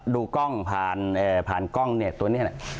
ดูกล้องผ่านกล้องตัวนี้นะ